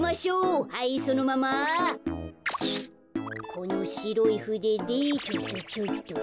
このしろいふででチョチョチョイと。